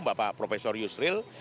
bapak profesor yusril